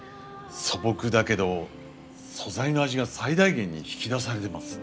素朴だけど素材の味が最大限に引き出されてます。